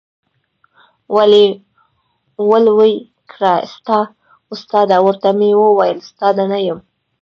ول وې کړه ، استاده ، ورته ومي ویل استاد نه یم ،